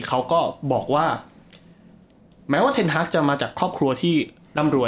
เขาก็บอกว่าแม้ว่าเทนฮักจะมาจากครอบครัวที่ร่ำรวย